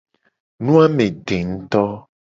Nu a me de nguto.